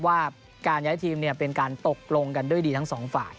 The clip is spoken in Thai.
ว่าการย้ายทีมเป็นการตกลงกันด้วยดีทั้งสองฝ่าย